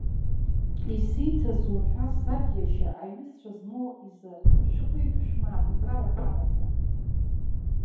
Исиҭаз зуҳәаз саб иашьа, аҩызцәа змоу изы шәкы-ҩышә мааҭ аԥара ԥараӡам.